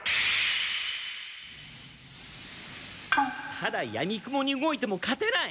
ただやみくもに動いても勝てない。